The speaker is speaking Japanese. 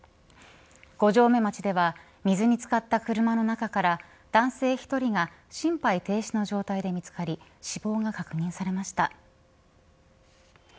五城目町では水に漬かった車の中から男性１人が心肺停止の状態で見つかり死亡が確認されました。